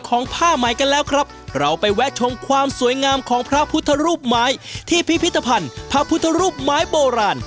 ผ้าใหม่กันแล้วครับเราไปแวะชมความสวยงามของพระพุทธรูปไม้ที่พิพิธภัณฑ์พระพุทธรูปไม้โบราณ